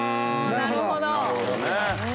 なるほどね。